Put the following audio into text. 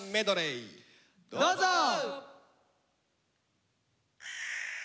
どうぞ！